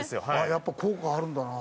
やっぱ効果あるんだな。